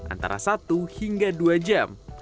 antara satu hingga dua jam